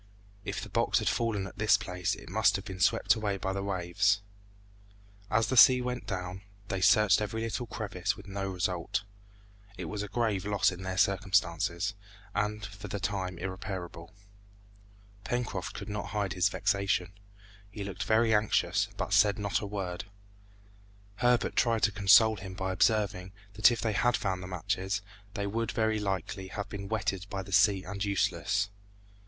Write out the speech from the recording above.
If the box had fallen at this place it must have been swept away by the waves. As the sea went down, they searched every little crevice with no result. It was a grave loss in their circumstances, and for the time irreparable. Pencroft could not hide his vexation; he looked very anxious, but said not a word. Herbert tried to console him by observing, that if they had found the matches, they would, very likely, have been wetted by the sea and useless.